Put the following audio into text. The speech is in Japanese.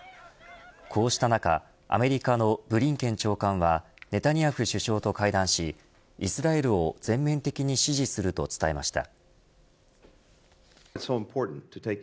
こうした中アメリカのブリンケン長官はネタニヤフ首相と会談しイスラエルを全面的に支持すると伝えました。